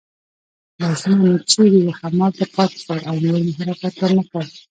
لاسونه مې چېرې وو همالته پاتې شول او نور مې حرکت ور نه کړ.